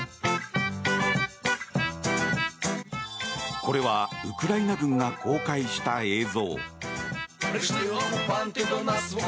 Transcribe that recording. これはウクライナ軍が公開した映像。